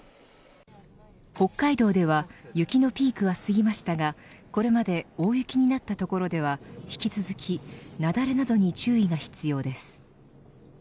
北海道では雪のピークは過ぎましたがこれまで大雪になった所では引き続き雪崩などに注意が必要です。